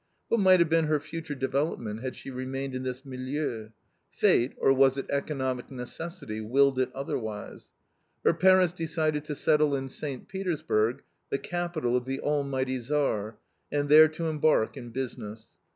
What might have been her future development had she remained in this milieu? Fate or was it economic necessity? willed it otherwise. Her parents decided to settle in St. Petersburg, the capital of the Almighty Tsar, and there to embark in business.